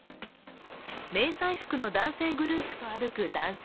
迷彩服の男性グループと歩く男性。